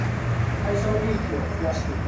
What are some dangers of having a high self-esteem?